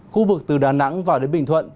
khu vực từ đà nẵng vào đến bình thuận